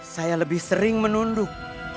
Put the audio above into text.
saya lebih sering menunduk